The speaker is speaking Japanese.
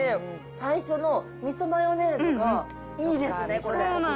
最初のみそマヨネーズがいいですね、これ。